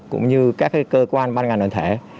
cũng như các cơ quan ban ngàn đoàn thể